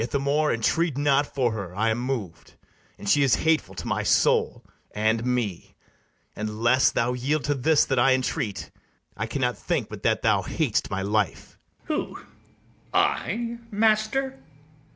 Ithamore, entreat not for her; I am mov'd, And she is hateful to my soul and me: And, 'less thou yield to this that I entreat, I cannot think but that thou hat'st my life. ITHAMORE. Who, I, master?